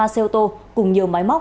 một mươi ba xe ô tô cùng nhiều máy móc